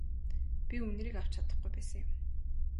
Би үнэрийг авч чадахгүй байсан юм.